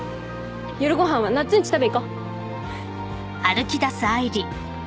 夜ご飯はなっつんち食べ行こう。